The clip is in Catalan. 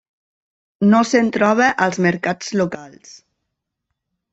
No se'n troba als mercats locals.